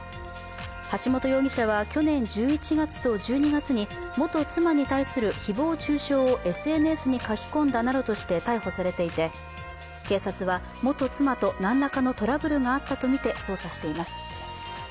橋本容疑者は去年１１月と１２月に元妻に対する誹謗中傷をＳＮＳに書き込んだなどとして逮捕されていて、警察は元妻と何らかのトラブルがあったとみて捜査しています。